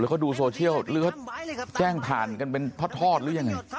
เขาดูโซเชียลหรือเขาแจ้งผ่านกันเป็นทอดหรือยังไง